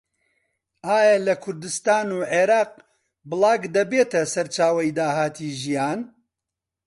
ئایا لە کوردستان و عێراق بڵاگ دەبێتە سەرچاوەی داهاتی ژیان؟